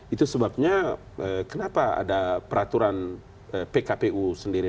itu sebabnya kenapa ada peraturan pkpu sendiri